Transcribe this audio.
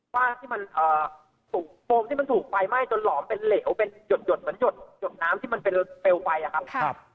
บ้านที่มันถูกโฟมที่มันถูกไฟไหม้จนหลอมเป็นเหลวเป็นหยดเหมือนหยดน้ำที่มันเป็นเปลวไฟอะครับ